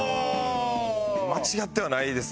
間違ってはないです